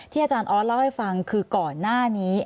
อาจารย์ออสเล่าให้ฟังคือก่อนหน้านี้